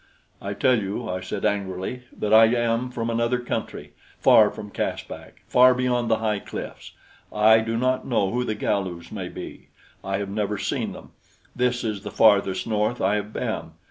"I tell you," I said angrily, "that I am from another country, far from Caspak, far beyond the high cliffs. I do not know who the Galus may be; I have never seen them. This is the farthest north I have been.